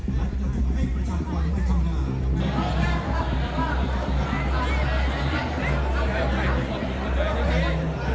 และจะถึงให้ประชาติกว่าวัยคำนา